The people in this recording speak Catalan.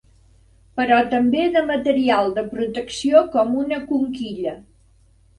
Però també de material de protecció com una conquilla.